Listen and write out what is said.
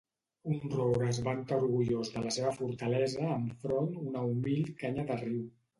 Un roure es vanta orgullós de la seva fortalesa enfront una humil canya de riu.